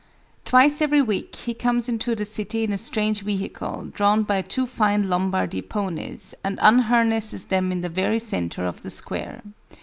Twice every week, he comes into the city in a strange vehicle, drawn by two fine Lombardy ponies, and unharnesses them in the very centre of the square.